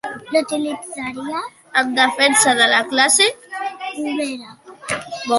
L'utilitzaria en defensa de la classe obrera